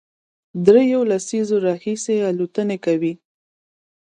درېیو لسیزو راهیسې الوتنې کوي،